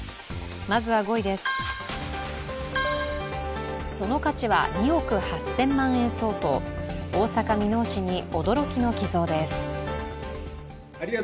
まずは５位です、その価値は２億８０００万円相当、大阪・箕面市に驚きの寄贈です。